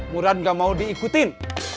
murad gak mau diikutin